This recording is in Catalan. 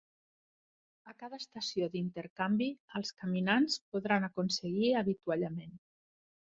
A cada estació d'intercanvi, els caminants podran aconseguir avituallament.